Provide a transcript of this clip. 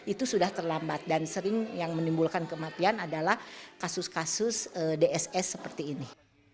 itu sudah terlambat dan sering yang menimbulkan kematian adalah kasus kasus dss seperti ini